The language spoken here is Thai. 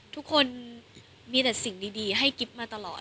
ทุกคนมีแต่สิ่งดีให้กิ๊บมาตลอด